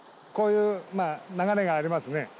こういうまあ流れがありますね。